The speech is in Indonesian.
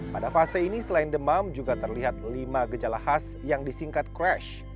pada fase ini selain demam juga terlihat lima gejala khas yang disingkat crash